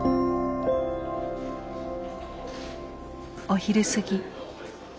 お昼過ぎ。